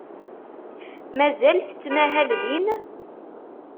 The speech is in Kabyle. Mazal tettmahal din?